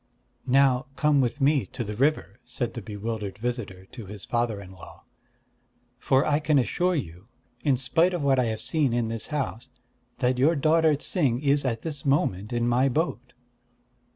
"Now come with me to the river," said the bewildered visitor to his father in law. "For I can assure you, in spite of what I have seen in this house, that your daughter Ts'ing is at this moment in my boat."